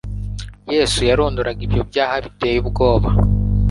Yesu yarondoraga ibyo byaha bitcye ubwoba.